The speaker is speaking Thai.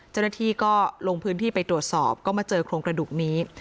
เจ้าหน้าที่ก็ลงพื้นที่ไปตรวจสอบก็มาเจอโครงกระดูกนี้